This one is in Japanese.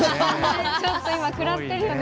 ちょっと今くらってるよね